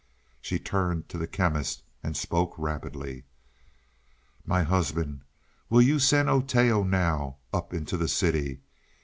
She turned to the Chemist and spoke rapidly. "My husband, will you send Oteo now, up into the city.